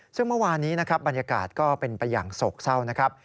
ซึ่งเมื่อวานี้บรรยากาศก็เป็นประหย่างศกเศร้า